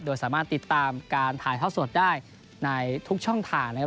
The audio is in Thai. โดยสามารถติดตามการถ่ายท่อสดได้ในทุกช่องทางนะครับ